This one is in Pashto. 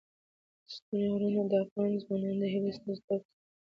ستوني غرونه د افغان ځوانانو د هیلو استازیتوب کوي.